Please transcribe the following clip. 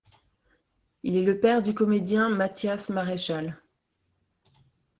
Il est le père du comédien Mathias Maréchal.